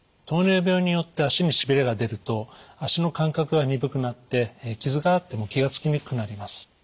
糖尿病によって足のしびれが出ると足の感覚が鈍くなって傷があっても気が付きにくくなります。